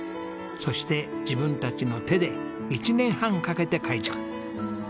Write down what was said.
そして自分たちの手で１年半かけて改築。